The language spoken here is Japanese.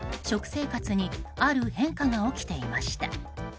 生活にある変化が起きていました。